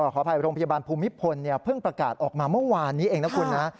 ขออภัยโรงพยาบาลภูมิพลเพิ่งประกาศออกมาเมื่อวานนี้เองนะคุณนะ